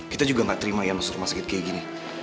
kita juga nggak terima ian masuk rumah sakit kayak gini